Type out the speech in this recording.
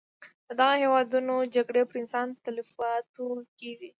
د دغه هېوادونو جګړې پر انساني تلفاتو کېږي.